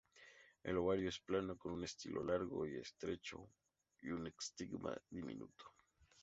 El ovario es plano con un estilo largo y estrecho y un estigma diminuto.